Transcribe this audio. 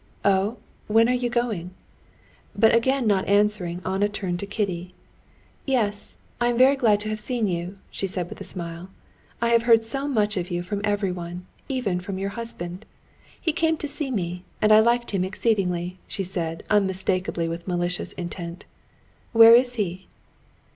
"Oh, when are you going?" But again not answering, Anna turned to Kitty. "Yes, I am very glad to have seen you," she said with a smile. "I have heard so much of you from everyone, even from your husband. He came to see me, and I liked him exceedingly," she said, unmistakably with malicious intent. "Where is he?"